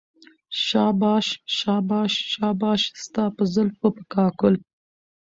شاباش شاباش شاباش ستا په زلفو په كاكل